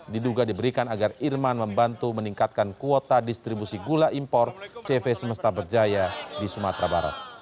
diduga diberikan agar irman membantu meningkatkan kuota distribusi gula impor cv semesta berjaya di sumatera barat